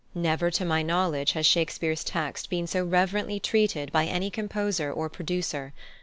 Never to my knowledge has Shakespeare's text been so reverently treated by any composer or producer.